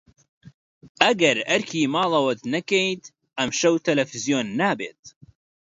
ئەگەر ئەرکی ماڵەوەت نەکەیت، ئەمشەو تەلەڤیزیۆن نابێت.